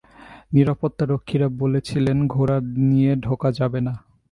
নিরাপত্তারক্ষীরা বলেছিলেন, ঘোড়া নিয়ে ঢোকা যাবে না।